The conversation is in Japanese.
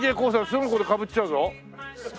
すぐこれかぶっちゃうぞ。